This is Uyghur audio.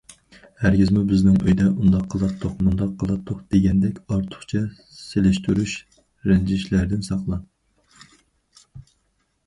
ھەرگىزمۇ بىزنىڭ ئۆيدە ئۇنداق قىلاتتۇق، مۇنداق قىلاتتۇق دېگەندەك ئارتۇقچە سېلىشتۇرۇش، رەنجىشلەردىن ساقلان.